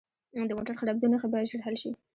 د موټر خرابیدو نښې باید ژر حل شي.